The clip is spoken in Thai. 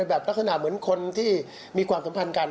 แบบลักษณะเหมือนคนที่มีความสัมพันธ์กัน